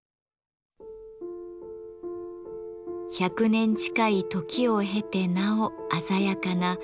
１００年近い時を経てなお鮮やかな緋色の装束。